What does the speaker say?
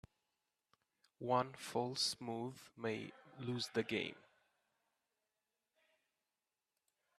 One false move may lose the game.